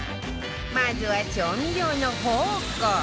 まずは、調味料の宝庫